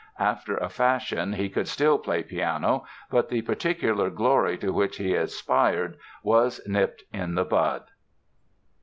After a fashion he could still play piano; but the particular glory to which he aspired was nipped in the bud.